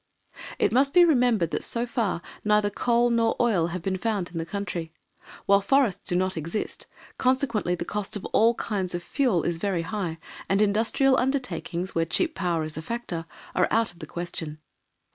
It must be remembered that so far neither coal nor oil have been found in the country, while forests do not exist; consequently the cost of all kinds of fuel is very high, and industrial undertakings, where cheap power is a factor, are out of the question.